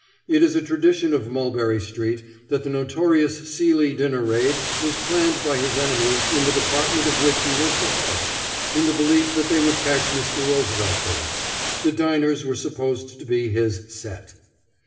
It is a tradition of Mulberry Street that the notorious Seeley dinner raid was planned by his enemies in the department of which he was the head, in the belief that they would catch Mr. Roosevelt there. The diners were supposed to be his "set."